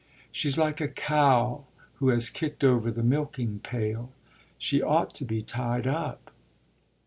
She's like a cow who has kicked over the milking pail. She ought to be tied up."